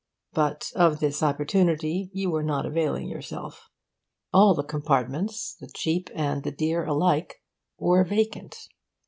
But of this opportunity you were not availing yourself. All the compartments, the cheap and the dear alike, were vacant.